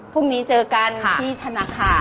พรุ่งนี้เจอกันที่ธนาคาร